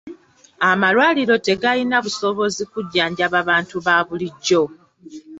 Amalwaliro tegalina obusobozi kujjanjaba bantu ba bulijjo.